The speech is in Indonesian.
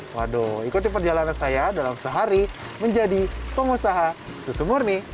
waduh ikuti perjalanan saya dalam sehari menjadi pengusaha susu murni